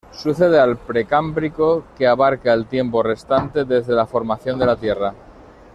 Sucede al Precámbrico, que abarca el tiempo restante desde la formación de la Tierra.